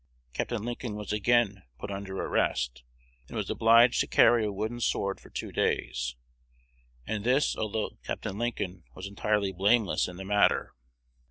Capt. Lincoln was again put under arrest, and was obliged to carry a wooden sword for two days, and this although Capt. Lincoln was entirely blameless in the matter."